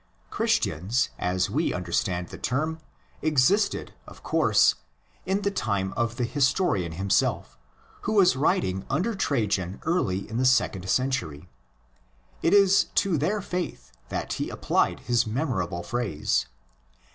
Christians, as we understand the term, existed, of course, in the time of the historian himself, who was writing under Trajan early in the second century. It is to their faith that he applied his memorable phrase.